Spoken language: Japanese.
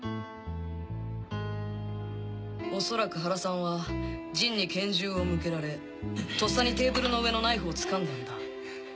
恐らく原さんはジンに拳銃を向けられとっさにテーブルの上のナイフをつかんだんだ。